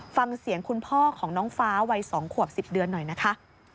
ฟังเสียงคุณพ่อของน้องฟ้าวัย๒ขวบ๑๐เดือนหน่อยนะคะ